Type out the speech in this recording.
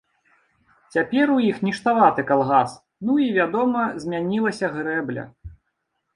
Цяпер у іх ніштаваты калгас, ну і, вядома, змянілася грэбля.